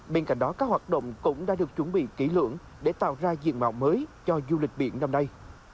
bên cạnh đó các hoạt động cũng đã được chuẩn bị kỹ lưỡng để tạo ra diện mạo mới cho du lịch biển năm nay